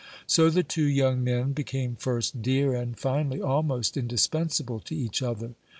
So the two young men became first dear, and finally almost indispensable to each other.